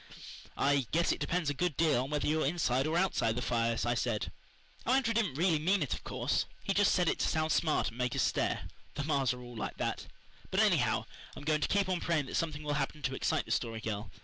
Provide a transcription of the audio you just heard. "I guess it depends a good deal on whether you're inside or outside the fires," I said. "Oh, Andrew didn't really mean it, of course. He just said it to sound smart and make us stare. The Marrs are all like that. But anyhow, I'm going to keep on praying that something will happen to excite the Story Girl.